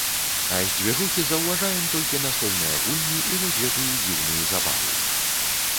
А з дзвіжухі заўважаем, толькі настольныя гульні і вось гэтую дзіўную забаву.